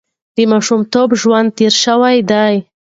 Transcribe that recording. د ماشومتوب ژوند تېر شوی دی.